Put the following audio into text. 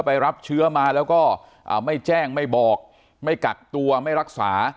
รับเชื้อมาแล้วก็ไม่แจ้งไม่บอกไม่กักตัวไม่รักษา